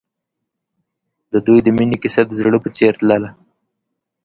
د دوی د مینې کیسه د زړه په څېر تلله.